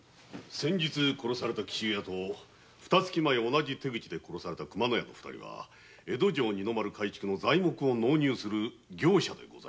先日殺された紀州屋とふた月前同じ手口で殺された熊野屋の二人は江戸城二の丸改築の材木を納入する業者でございました。